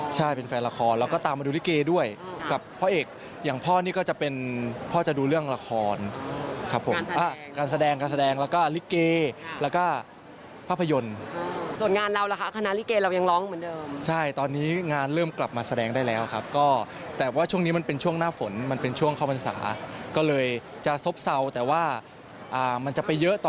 ใช่เป็นแฟนละครแล้วก็ตามมาดูลิเกด้วยกับพ่อเอกอย่างพ่อนี่ก็จะเป็นพ่อจะดูเรื่องละครครับผมการแสดงการแสดงแล้วก็ลิเกแล้วก็ภาพยนตร์ส่วนงานเราล่ะคะคณะลิเกเรายังร้องเหมือนเดิมใช่ตอนนี้งานเริ่มกลับมาแสดงได้แล้วครับก็แต่ว่าช่วงนี้มันเป็นช่วงหน้าฝนมันเป็นช่วงเข้าพรรษาก็เลยจะซบเศร้าแต่ว่ามันจะไปเยอะต่อ